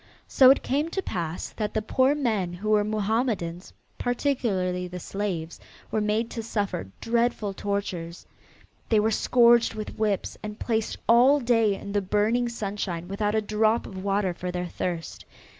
So it came to pass that the poor men who were Mohammedans, particularly the slaves, were made to suffer dreadful tortures. They were scourged with whips and placed all day in the burning sunshine without a drop of water for their thirst.